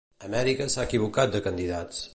Amèrica s'ha equivocat de candidats.